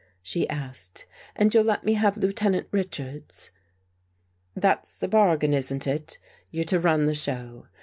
she asked. "And you'll let me have Lieutenant Richards?" " That's the bargain, isn't it? You're to run the show.